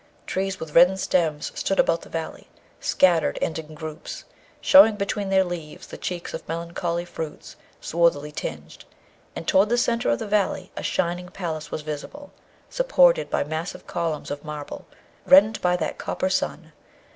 Trees with reddened stems stood about the valley, scattered and in groups, showing between their leaves the cheeks of melancholy fruits swarthily tinged, and toward the centre of the valley a shining palace was visible, supported by massive columns of marble reddened by that copper sun.